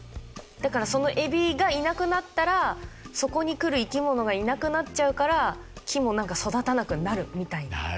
だからそのエビがいなくなったらそこに来る生き物がいなくなっちゃうから木も育たなくなるみたいな。